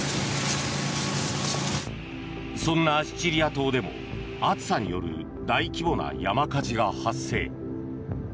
そんなシチリア島でも暑さによる大規模な山火事が発生。